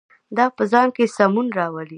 دا په ځان کې سمون راولي.